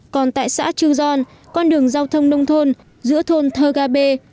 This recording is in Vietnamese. còn tại xã trư giòn con đường giao thông nông thôn giữa thôn thơ gà bình